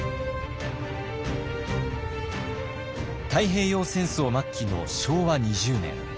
太平洋戦争末期の昭和２０年。